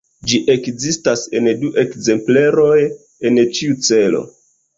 Ĝi ekzistas en du ekzempleroj en ĉiu ĉelo.